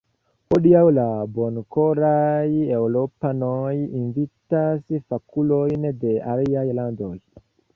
Hodiaŭ la bonkoraj eŭropanoj invitas fakulojn de aliaj landoj.